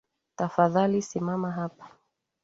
Tafadhali simama hapa.